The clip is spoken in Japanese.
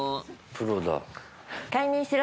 プロだ。